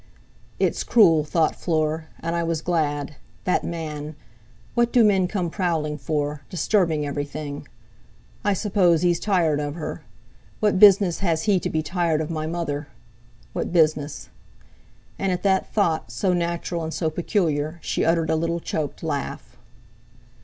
'It's cruel,' thought Fleur, 'and I was glad! That man! What do men come prowling for, disturbing everything! I suppose he's tired of her. What business has he to be tired of my mother? What business!' And at that thought, so natural and so peculiar, she uttered a little choked laugh.